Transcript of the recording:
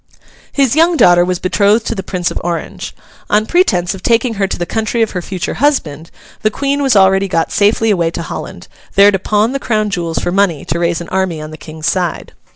His young daughter was betrothed to the Prince of Orange. On pretence of taking her to the country of her future husband, the Queen was already got safely away to Holland, there to pawn the Crown jewels for money to raise an army on the King's side.